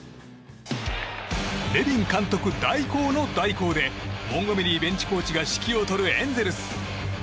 ネビン監督代行の代行でモンゴメリーベンチコーチが指揮を執るエンゼルス。